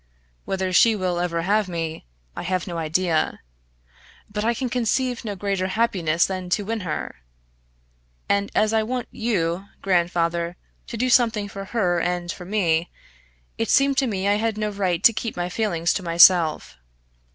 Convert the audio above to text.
"Whether she will ever have me, I have no idea. But I can conceive no greater happiness than to win her. And as I want you, grandfather, to do something for her and for me, it seemed to me I had no right to keep my feelings to myself.